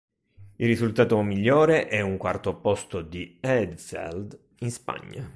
Il risultato migliore è un quarto posto di Heidfeld in Spagna.